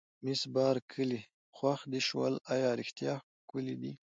مس بارکلي: خوښ دې شول، ایا رښتیا ښکلي دي؟